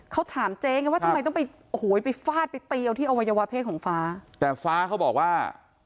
เขาถามเจ๊กันว่าทำไมต้องไปฟาดไปตีเอาที่อวัยวะเพศของฟ้า